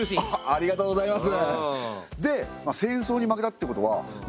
ありがとうございます！